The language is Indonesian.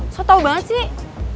lo tau banget sih